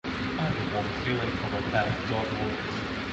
I have a warm feeling for my pair of dogwalkers.